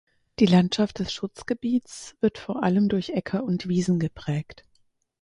Die Landschaft des Schutzgebiets wird vor allem durch Äcker und Wiesen geprägt.